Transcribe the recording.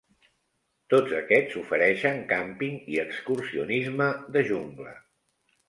Tots aquests ofereixen càmping i excursionisme de jungla.